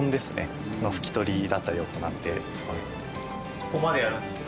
そこまでやるんですか？